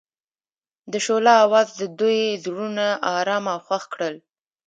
د شعله اواز د دوی زړونه ارامه او خوښ کړل.